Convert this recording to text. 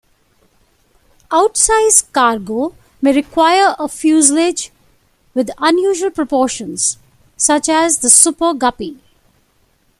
Outsize cargo may require a fuselage with unusual proportions, such as the Super Guppy.